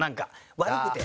悪くて。